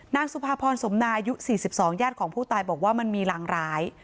นางสุภาพรสมนายุ๔๒ญาติของผู้ตายบอกว่ามันมีรางร้าย